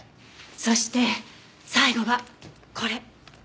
そして最後がこれ。